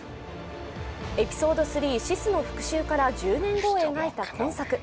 「エピソード３／シスの復讐」から１０年後を描いた今作。